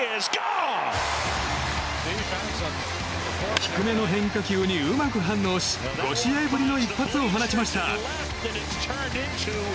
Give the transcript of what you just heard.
低めの変化球にうまく反応し５試合ぶりの一発を放ちました。